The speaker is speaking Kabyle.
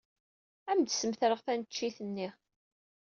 Ad am-d-smetreɣ taneččit-nni.